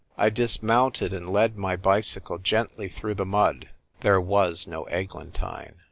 I dismounted, and led my bicj'^cle gently through the mud. There was no eglantine.